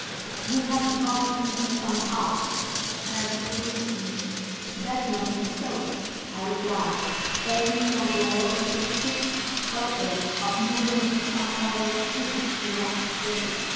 "'"He has got into some house," said the policeman. "'"That must be so," I replied, opening my door with the fixed purpose of moving to some other street the next day.